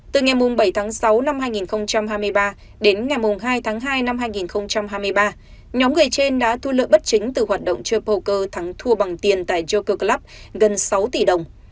từ ngày bảy tháng sáu năm hai nghìn hai mươi ba đến ngày hai tháng hai năm hai nghìn hai mươi ba nhóm người trên đã thu lợi bất chính từ hoạt động chơi poker thắng thua bằng tiền tại yoker club gần sáu tỷ đồng